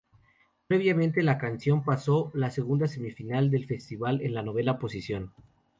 Previamente, la canción pasó la segunda semifinal del festival en la novena posición.